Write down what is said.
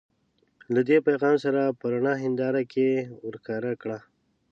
له دې پیغام سره په رڼه هنداره کې ورښکاره کړه.